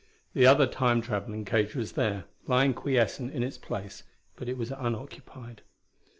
The other Time traveling cage was there, lying quiescent in its place, but it was unoccupied.